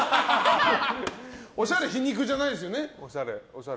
おしゃれ皮肉じゃないですよね？